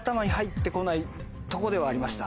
とこではありました。